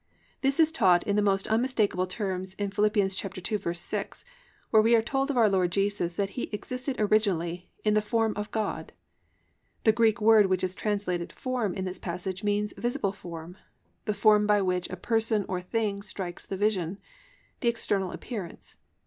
This is taught in the most unmistakable terms in Phil. 2:6, where we are told of our Lord Jesus that He existed originally "in the form of God." The Greek word which is translated "form" in this passage means "visible form," "the form by which a person or thing strikes the vision," "the external appearance."